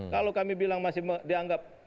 kalau kami bilang masih dianggap